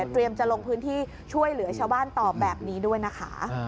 จะลงพื้นที่ช่วยเหลือชาวบ้านต่อแบบนี้ด้วยนะคะ